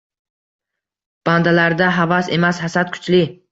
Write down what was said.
Bandalarda havas emas, hasad kuchli